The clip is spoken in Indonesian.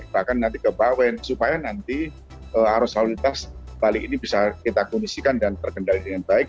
bahkan nanti ke bawen supaya nanti arus lalu lintas bali ini bisa kita kondisikan dan terkendali dengan baik